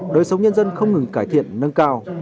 đời sống nhân dân không ngừng cải thiện nâng cao